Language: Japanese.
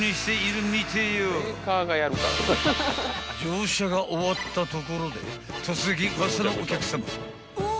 ［乗車が終わったところで］